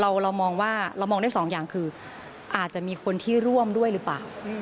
เรามองได้๒อย่างคืออาจจะมีคนที่ร่วมด้วยหรือเปล่า